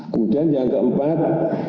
kemudian yang keempat